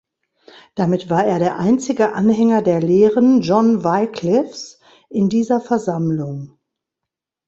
Damit war er der einzige Anhänger der Lehren John Wyclifs in dieser Versammlung.